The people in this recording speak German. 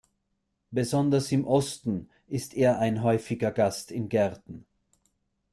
Besonders im Osten ist er ein häufiger Gast in Gärten.